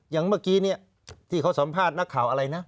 อย่างเมื่อกี้เนี่ยที่เขาสัมภาษณ์นักข่าวอะไรนะ